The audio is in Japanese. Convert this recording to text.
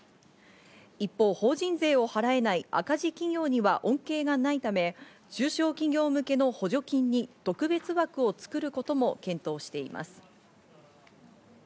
一方、法人税を払えない赤字企業には恩恵がないため、中小企業向けの補助金に特別枠を作ることも検討しています。